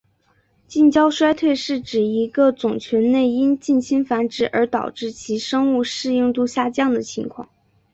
近交衰退是指一个种群内因近亲繁殖而导致其生物适应度下降的情况。